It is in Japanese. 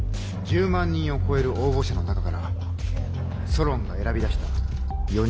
１０万人を超える応募者の中からソロンが選び出した４人です。